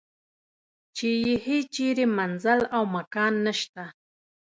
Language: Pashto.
چې یې هیچرې منزل او مکان نشته.